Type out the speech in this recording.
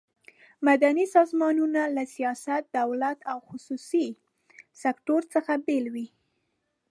مدني سازمانونه له سیاست، دولت او خصوصي سکټور څخه بیل وي.